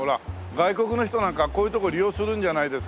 外国の人なんかこういう所利用するんじゃないですか？